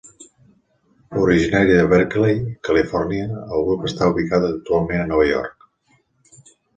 Originari de Berkeley, Califòrnia, el grup està ubicat actualment a Nova York.